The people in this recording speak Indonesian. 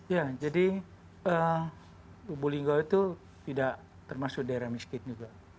ya jadi lubu linggau itu tidak termasuk daerah miskin juga